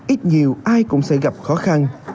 ít nhiều ai cũng sẽ gặp khó khăn